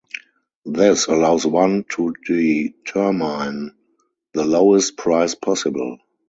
This allows one to determine the lowest price possible.